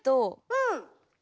うん。